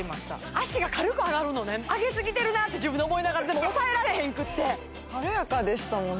足が軽く上がるのね上げすぎてるなって自分で思いながらでも抑えられへんくって軽やかでしたもんね